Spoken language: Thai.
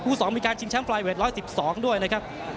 คู่สองมีการชิงชั้นไฟเวท๑๑๒ด้วยนะครับ